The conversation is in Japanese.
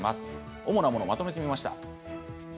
主なものをまとめてみました。